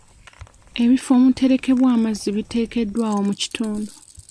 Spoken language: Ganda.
Ebifo omuterekebwa amazzi biteekeddwawo mu kitundu.